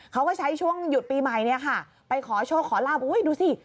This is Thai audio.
เขาก็ใช้ช่วงหยุดปีใหม่เนี่ยค่ะไปขอโชคขอลาบอุ้ยดูสิ